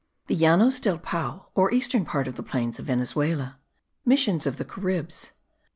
THE LLANOS DEL PAO, OR EASTERN PART OF THE PLAINS OF VENEZUELA. MISSIONS OF THE CARIBS.